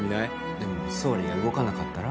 でも総理が動かなかったら？